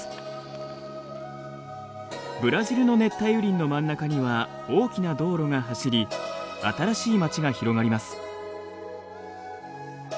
ブラジルの熱帯雨林の真ん中には大きな道路が走り新しい町が広がります。